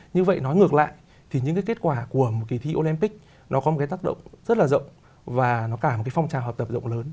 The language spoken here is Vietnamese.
như vậy nói ngược lại thì những cái kết quả của một kỳ thi olympic nó có một cái tác động rất là rộng và nó cả một cái phong trào học tập rộng lớn